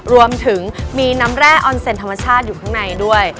รวมถึงมีน้ำแร่อนเซ็นธรรมชาติอยู่ข้างในด้วย